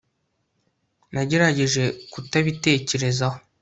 Nagerageje kutabitekerezaho